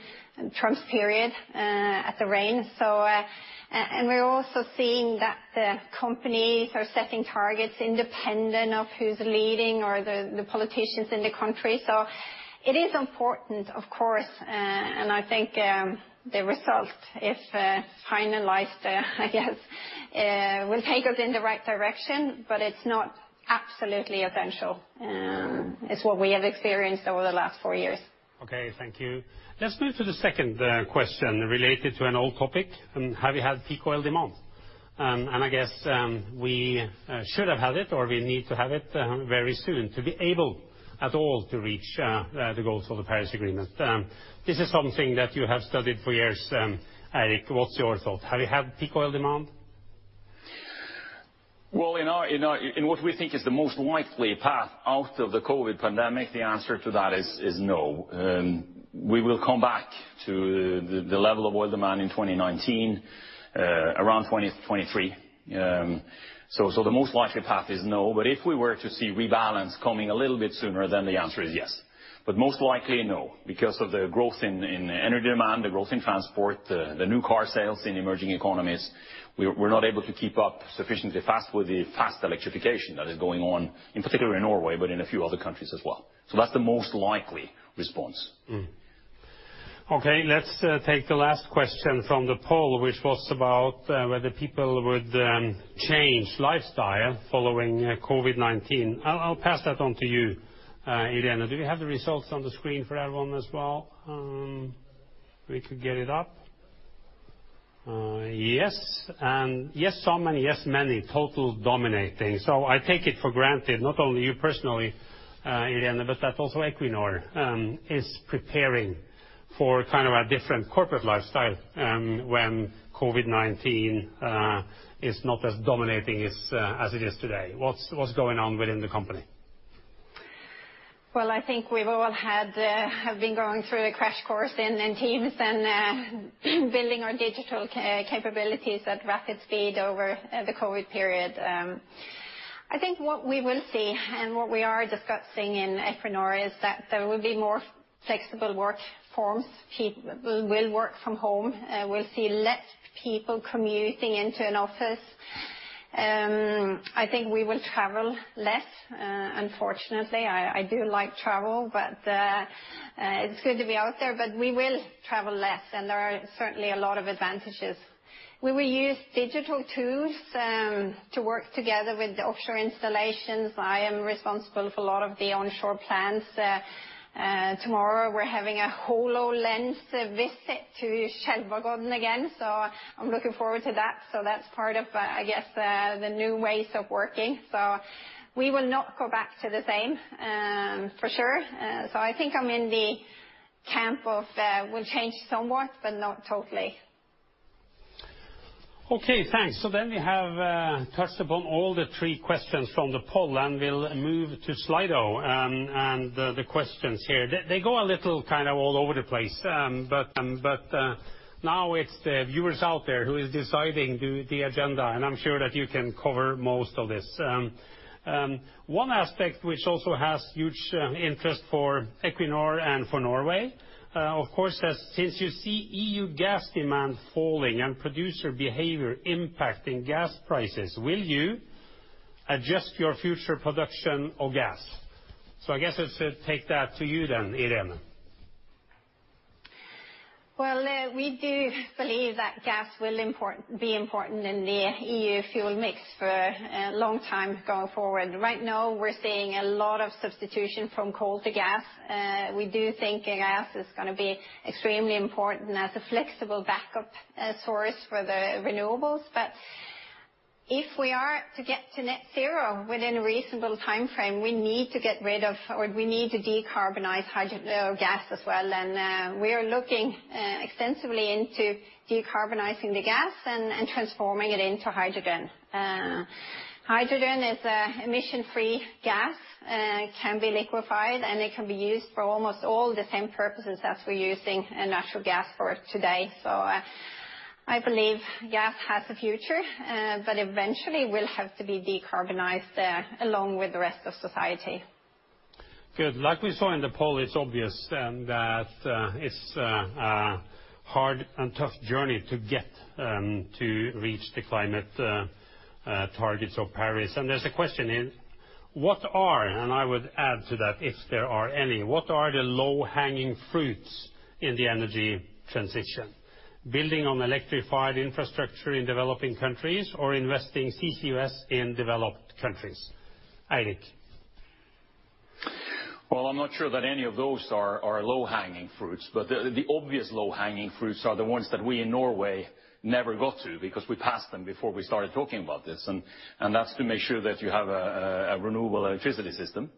Trump's period at the reign. We're also seeing that the companies are setting targets independent of who's leading or the politicians in the country. It is important, of course, and I think, the result, if finalized, I guess, will take us in the right direction, but it's not absolutely essential. It's what we have experienced over the last four years. Okay, thank you. Let's move to the second question related to an old topic. Have you had peak oil demand? I guess we should have had it, or we need to have it very soon to be able at all to reach the goals of the Paris Agreement. This is something that you have studied for years, Eirik. What's your thought? Have you had peak oil demand? In what we think is the most likely path out of the COVID pandemic, the answer to that is no. We will come back to the level of oil demand in 2019, around 2023. The most likely path is no. If we were to see Rebalance coming a little bit sooner, then the answer is yes. Most likely, no, because of the growth in energy demand, the growth in transport, the new car sales in emerging economies. We're not able to keep up sufficiently fast with the fast electrification that is going on, in particular in Norway, but in a few other countries as well. That's the most likely response. Okay, let's take the last question from the poll, which was about whether people would change lifestyle following COVID-19. I'll pass that on to you, Irene. Do we have the results on the screen for that one as well? We could get it up. Yes. Yes, so many, yes, many. Totals dominating. I take it for granted, not only you personally, Irene, but that also Equinor is preparing for a different corporate lifestyle, when COVID-19 is not as dominating as it is today. What's going on within the company? I think we've all have been going through a crash course in Teams and building our digital capabilities at rapid speed over the COVID period. I think what we will see and what we are discussing in Equinor is that there will be more flexible work forms. People will work from home. We'll see less people commuting into an office. I think we will travel less, unfortunately. I do like travel, but it's good to be out there, but we will travel less, and there are certainly a lot of advantages. We will use digital tools to work together with the offshore installations. I am responsible for a lot of the onshore plants. Tomorrow, we're having a HoloLens visit to Tjeldbergodden again, so I'm looking forward to that. That's part of, I guess, the new ways of working. We will not go back to the same, for sure. I think I'm in the camp of will change somewhat, but not totally. Okay, thanks. We have touched upon all the three questions from the poll, and we'll move to Slido and the questions here. They go a little all over the place. Now it's the viewers out there who is deciding the agenda, and I'm sure that you can cover most of this. One aspect which also has huge interest for Equinor and for Norway, of course, is since you see EU gas demand falling and producer behavior impacting gas prices, will you adjust your future production of gas? I guess I should take that to you then, Irene. Well, we do believe that gas will be important in the EU fuel mix for a long time going forward. Right now, we're seeing a lot of substitution from coal to gas. We do think gas is going to be extremely important as a flexible backup source for the renewables. If we are to get to net zero within a reasonable timeframe, we need to get rid of or we need to decarbonize gas as well. We are looking extensively into decarbonizing the gas and transforming it into hydrogen. Hydrogen is an emission-free gas, it can be liquefied, and it can be used for almost all the same purposes as we're using natural gas for today. I believe gas has a future, but eventually will have to be decarbonized along with the rest of society. Good. Like we saw in the poll, it's obvious then that it's a hard and tough journey to get to reach the climate targets of Paris. There's a question in, what are, and I would add to that, if there are any, what are the low-hanging fruits in the energy transition? Building on electrified infrastructure in developing countries or investing CCUS in developed countries? Eirik. I'm not sure that any of those are low-hanging fruits, but the obvious low-hanging fruits are the ones that we in Norway never got to because we passed them before we started talking about this, and that's to make sure that you have a renewable electricity system.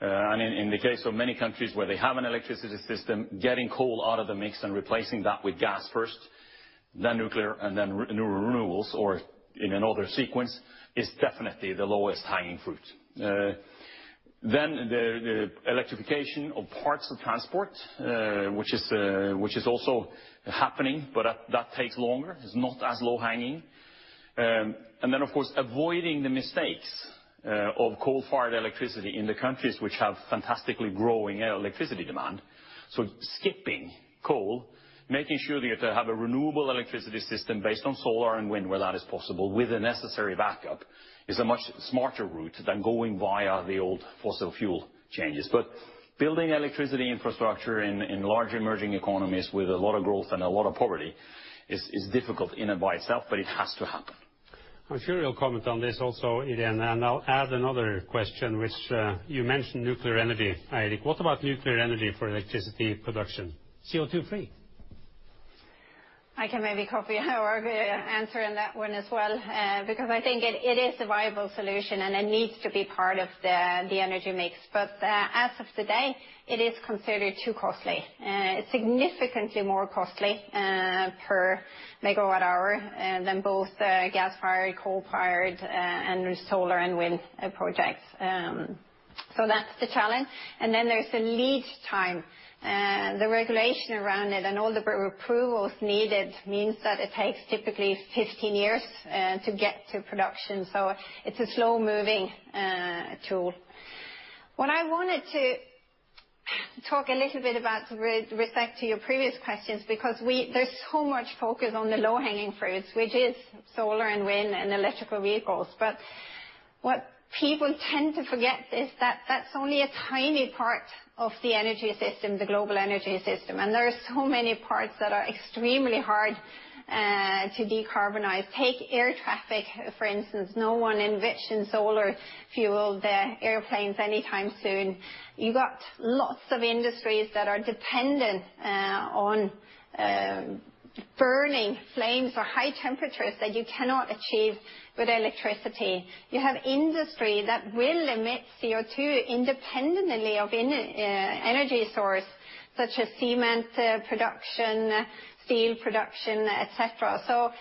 In the case of many countries where they have an electricity system, getting coal out of the mix and replacing that with gas first, then nuclear, and then renewables, or in another sequence, is definitely the lowest-hanging fruit. The electrification of parts of transport, which is also happening, but that takes longer. It's not as low hanging. Of course, avoiding the mistakes of coal-fired electricity in the countries which have fantastically growing electricity demand. Skipping coal, making sure that you have a renewable electricity system based on solar and wind where that is possible, with the necessary backup, is a much smarter route than going via the old fossil fuel changes. Building electricity infrastructure in large emerging economies with a lot of growth and a lot of poverty is difficult in and by itself, but it has to happen. I'm sure you'll comment on this also, Irene, and I'll add another question, which you mentioned nuclear energy, Eirik. What about nuclear energy for electricity production, CO2-free? I can maybe copy or answer on that one as well. I think it is a viable solution, and it needs to be part of the energy mix. As of today, it is considered too costly, significantly more costly per megawatt-hour than both gas-fired, coal-fired, and solar and wind projects. That's the challenge, and then there's the lead time. The regulation around it and all the approvals needed means that it takes typically 15 years to get to production. It's a slow-moving tool. What I wanted to talk a little bit about with respect to your previous questions. There's so much focus on the low-hanging fruits, which is solar and wind and electrical vehicles. What people tend to forget is that that's only a tiny part of the energy system, the global energy system. There are so many parts that are extremely hard to decarbonize. Take air traffic, for instance. No one envisions solar-fueled airplanes anytime soon. You got lots of industries that are dependent on burning flames or high temperatures that you cannot achieve with electricity. You have industry that will emit CO2 independently of any energy source, such as cement production, steel production, et cetera.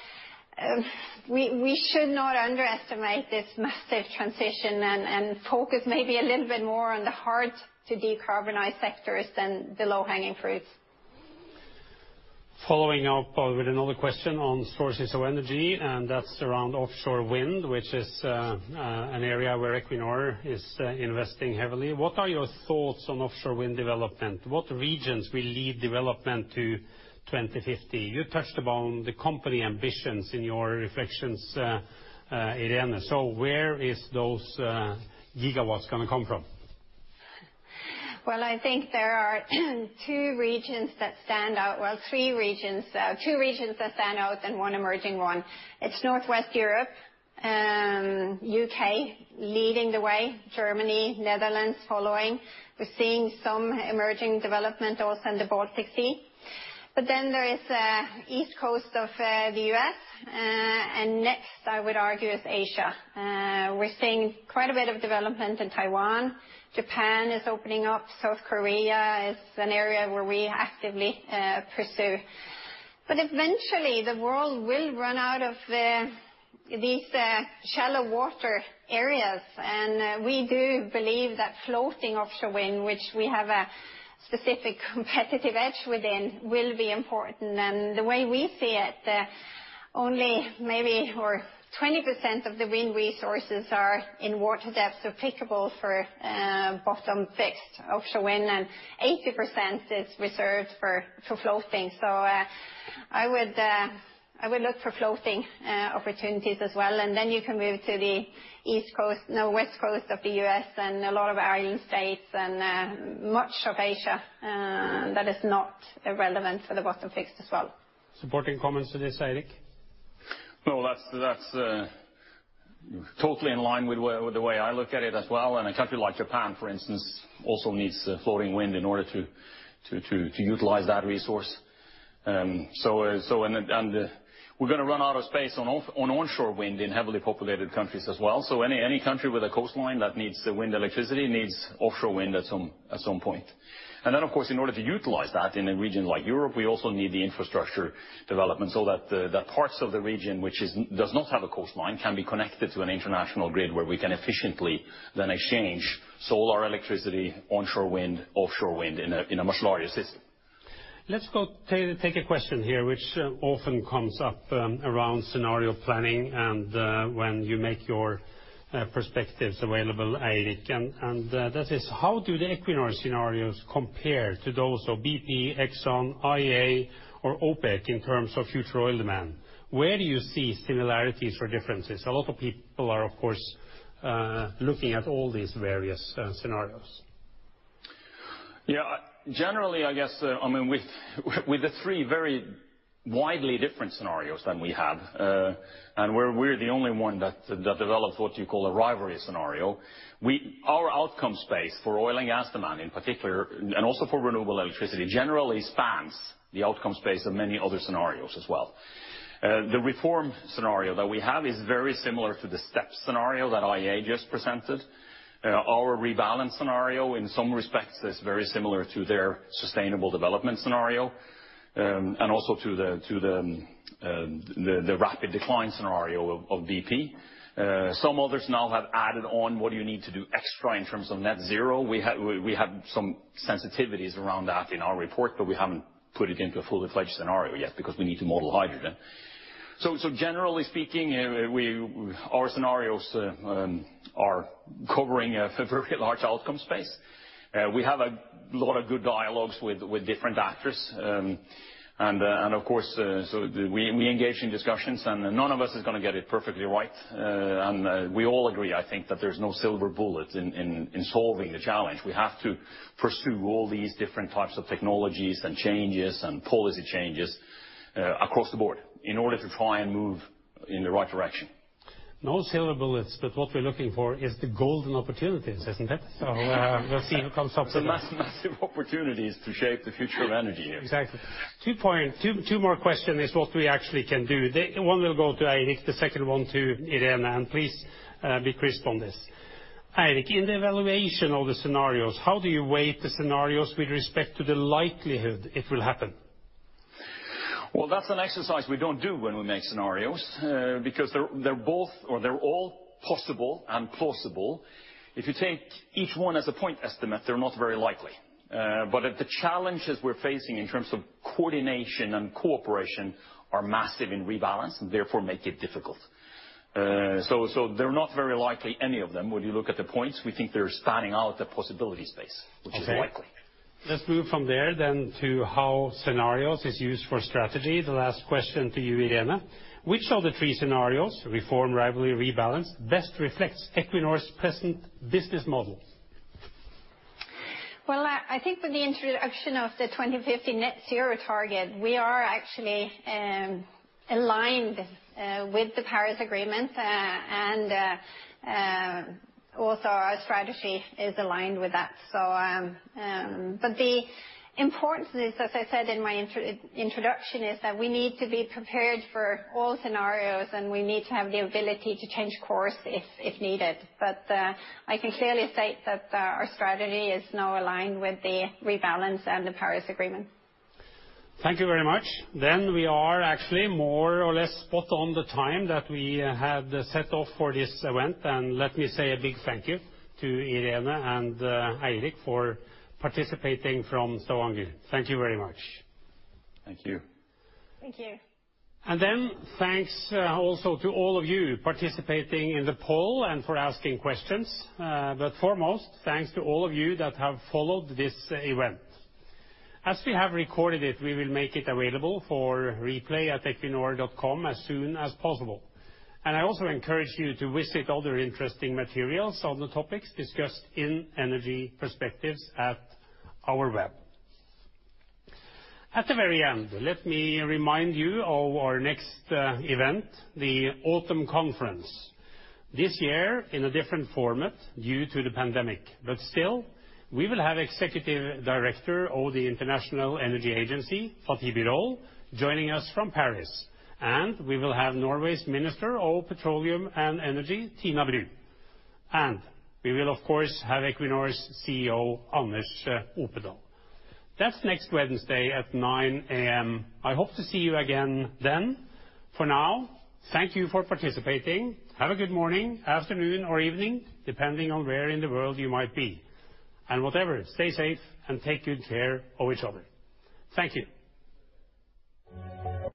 We should not underestimate this massive transition and focus maybe a little bit more on the hard-to-decarbonize sectors than the low-hanging fruits. Following up with another question on sources of energy, that's around offshore wind, which is an area where Equinor is investing heavily. What are your thoughts on offshore wind development? What regions will lead development to 2050? You touched upon the company ambitions in your reflections, Irene. Where is those gigawatts going to come from? I think there are two regions that stand out. Three regions. Two regions that stand out and one emerging one. It's Northwest Europe, U.K. leading the way, Germany, Netherlands following. We're seeing some emerging development also in the Baltic Sea. There is East Coast of the U.S. Next, I would argue, is Asia. We're seeing quite a bit of development in Taiwan. Japan is opening up. South Korea is an area where we actively pursue. Eventually the world will run out of these shallow water areas, and we do believe that floating offshore wind, which we have a specific competitive edge within, will be important. The way we see it, only maybe 20% of the wind resources are in water depth applicable for bottom-fixed offshore wind, and 80% is reserved for floating. I would look for floating opportunities as well, and then you can move to the East Coast, no, West Coast of the U.S. and a lot of island states and much of Asia that is not relevant for the bottom fixed as well. Supporting comments to this, Eirik? No, that's totally in line with the way I look at it as well. A country like Japan, for instance, also needs floating wind in order to utilize that resource. We're going to run out of space on onshore wind in heavily populated countries as well. Any country with a coastline that needs wind electricity needs offshore wind at some point. Then, of course, in order to utilize that in a region like Europe, we also need the infrastructure development so that parts of the region which does not have a coastline can be connected to an international grid where we can efficiently then exchange solar electricity, onshore wind, offshore wind in a much larger system. Let's take a question here, which often comes up around scenario planning and when you make your Perspectives available, Eirik. That is, how do the Equinor scenarios compare to those of BP, Exxon, IEA, or OPEC in terms of future oil demand? Where do you see similarities or differences? A lot of people are, of course, looking at all these various scenarios. Generally, I guess with the three very widely different scenarios than we have, and we're the only one that developed what you call a Rivalry scenario, our outcome space for oil and gas demand in particular, and also for renewable electricity, generally spans the outcome space of many other scenarios as well. The Reform scenario that we have is very similar to the STEPS scenario that IEA just presented. Our Rebalance scenario in some respects is very similar to their Sustainable Development Scenario, and also to the rapid decline scenario of BP. Some others now have added on what do you need to do extra in terms of net zero. We have some sensitivities around that in our report, but we haven't put it into a fully fledged scenario yet because we need to model hydrogen. Generally speaking, our scenarios are covering a very large outcome space. We have a lot of good dialogues with different actors. Of course, we engage in discussions, and none of us is going to get it perfectly right. We all agree, I think, that there's no silver bullet in solving the challenge. We have to pursue all these different types of technologies and changes and policy changes across the board in order to try and move in the right direction. No silver bullets, but what we're looking for is the golden opportunities, isn't it? We'll see who comes up with that. The massive opportunities to shape the future of energy. Exactly. Two more question is what we actually can do. One will go to Eirik, the second one to Irene, and please be crisp on this. Eirik, in the evaluation of the scenarios, how do you weigh the scenarios with respect to the likelihood it will happen? Well, that's an exercise we don't do when we make scenarios, because they're both or they're all possible and plausible. If you take each one as a point estimate, they're not very likely. The challenges we're facing in terms of coordination and cooperation are massive in Rebalance and therefore make it difficult. They're not very likely, any of them. When you look at the points, we think they're spanning out the possibility space, which is likely. Okay. Let's move from there then to how scenarios is used for strategy. The last question to you, Irene. Which of the three scenarios, Reform, Rivalry, Rebalance, best reflects Equinor's present business model? Well, I think with the introduction of the 2050 net zero target, we are actually aligned with the Paris Agreement, and also our strategy is aligned with that. The importance, as I said in my introduction, is that we need to be prepared for all scenarios, and we need to have the ability to change course if needed. I can clearly state that our strategy is now aligned with the Rebalance and the Paris Agreement. Thank you very much. We are actually more or less spot on the time that we had set out for this event. Let me say a big thank you to Irene and Eirik for participating from Stavanger. Thank you very much. Thank you. Thank you. Thanks also to all of you participating in the poll and for asking questions. Foremost, thanks to all of you that have followed this event. As we have recorded it, we will make it available for replay at equinor.com as soon as possible. I also encourage you to visit other interesting materials on the topics discussed in Energy Perspectives at our web. At the very end, let me remind you of our next event, the Autumn Conference. This year in a different format due to the pandemic. Still, we will have Executive Director of the International Energy Agency, Fatih Birol, joining us from Paris. We will have Norway's Minister of Petroleum and Energy, Tina Bru. We will, of course, have Equinor's CEO, Anders Opedal. That's next Wednesday at 9:00 A.M. I hope to see you again then. For now, thank you for participating. Have a good morning, afternoon, or evening, depending on where in the world you might be. Whatever, stay safe and take good care of each other. Thank you.